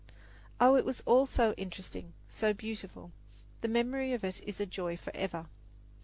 Oh, it was all so interesting, so beautiful! The memory of it is a joy forever.